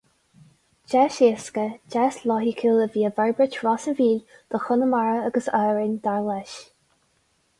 Deis éasca, deis loighciúil a bhí i bhforbairt Ros an Mhíl do Chonamara agus Árainn, dar leis.